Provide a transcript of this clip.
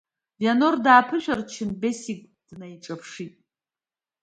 Вианор дааԥышәырччан, Бесик днаиҵаԥшит.